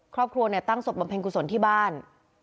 ครอบครัวตั้งศพบำเพ็ญกุศลที่บ้าน